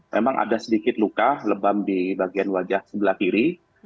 memang ada sedikit luka lebam di bagian wajah sebelah kiri